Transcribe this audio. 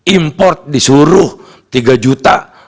import disuruh tiga juta